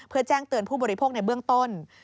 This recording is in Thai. เพื่อแจ้งเตือนผู้บริโภคในเบื้องต้น